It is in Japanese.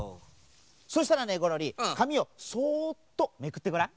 そしたらねゴロリかみをそうっとめくってごらん。